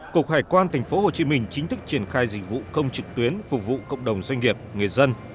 cục hải quan tp hồ chí minh chính thức triển khai dịch vụ công trực tuyến phục vụ cộng đồng doanh nghiệp người dân